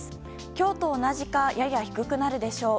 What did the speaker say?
今日と同じかやや低くなるでしょう。